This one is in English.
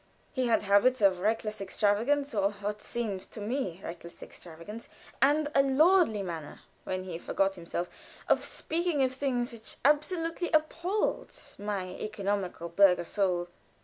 He had habits of reckless extravagance, or what seemed to me reckless extravagance, and a lordly manner (when he forgot himself) of speaking of things, which absolutely appalled my economical burgher soul.